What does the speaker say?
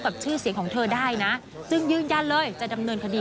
ชื่อเสียงของเธอได้นะจึงยืนยันเลยจะดำเนินคดี